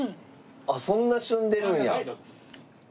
あっそんなしゅんでるんや。